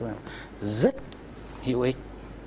rất hữu ích